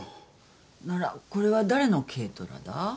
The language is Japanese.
ならこれは誰の軽トラだ？